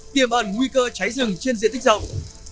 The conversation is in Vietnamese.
tiềm ẩn nguy cơ cháy rừng trên diện tích rộng